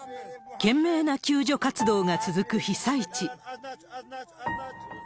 懸命な救助活動が続く被災地。